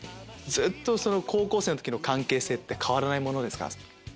ずっと高校生の時の関係性って変わらないものですか？